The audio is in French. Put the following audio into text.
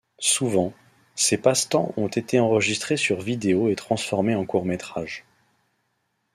Souvent, ces passe-temps ont été enregistrés sur vidéo et transformés en courts métrages.